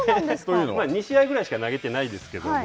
２試合ぐらいしか投げていないですけれども。